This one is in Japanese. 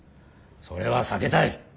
それは避けたい。